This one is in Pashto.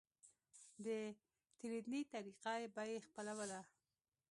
د تېرېدنې طريقه به يې خپلوله.